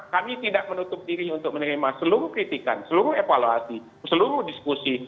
kami tidak menutup diri untuk menerima seluruh kritikan seluruh evaluasi seluruh diskusi